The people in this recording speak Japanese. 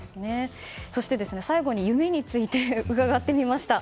最後に夢について伺ってみました。